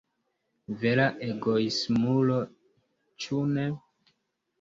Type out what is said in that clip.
Vera egoismulo, ĉu ne?